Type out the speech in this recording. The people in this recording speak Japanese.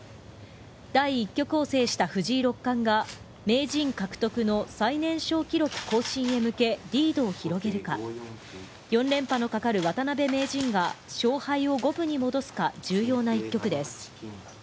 第１局を制した藤井六冠が名人獲得の最年少記録更新へ向けリードを広げるか４連覇のかかる渡辺名人が勝敗を五分に戻すか重要な１局です。